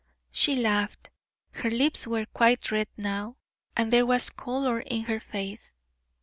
She laughed; her lips were quite red now, and there was color in her face.